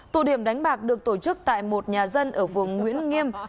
tụ điểm đánh bạc được tổ chức tại một nhà dân ở phường nguyễn nghiêm